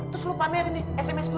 terus lo pamerin nih sms dulu